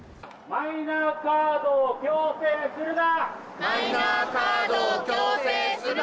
マイナカードを強制するな！